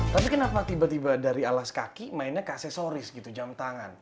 tapi kenapa tiba tiba dari alas kaki mainnya ke aksesoris gitu jam tangan